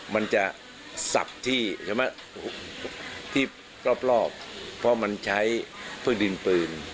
มันจะสับที่ใช่ไหมที่รอบเพราะมันใช้พืชดินปืน